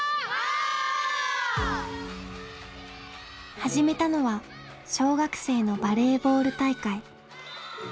始めたのは小学生のバレーボール大会。